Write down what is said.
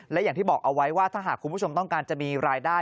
และอย่างที่บอกเอาไว้ว่าถ้าหากคุณผู้ชมต้องการจะมีรายได้